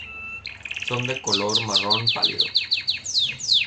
Son de color marrón pálido.